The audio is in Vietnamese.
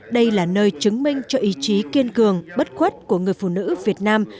đây là nơi chứng minh cho ý chí kiên cường bất khuất của người phụ nữ việt nam